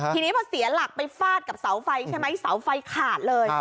ทีนี้พอเสียหลักไปฟาดกับเสาไฟใช่ไหมเสาไฟขาดเลย